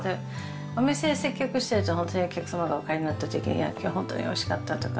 お店で接客してると、お客様がお帰りになったときには、きょう本当においしかったとか。